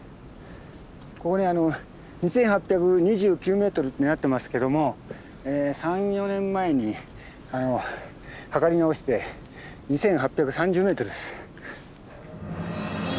ここに２，８２９ｍってなってますけども３４年前に測り直して２，８３０ｍです。